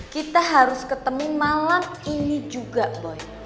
kita harus ketemu malam ini juga boy